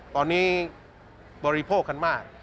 ตอนนี้บริโภคกันมาก